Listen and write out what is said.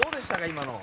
今の。